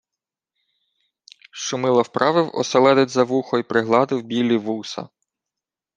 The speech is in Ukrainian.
Шумило вправив оселедець за вухо й пригладив білі вуса.